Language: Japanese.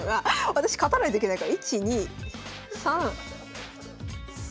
私勝たないといけないから。